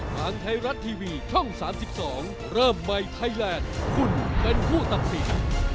ทางไทยรัฐทีวีช่อง๓๒เริ่มใหม่ไทยแลนด์คุณเป็นผู้ตัดสิน